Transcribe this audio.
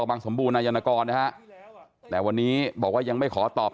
บางสมบูรณนายนกรนะฮะแต่วันนี้บอกว่ายังไม่ขอตอบ